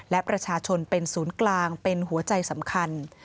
และประชาชนเป็นศูนย์กลางเป็นหัวใจสำคัญ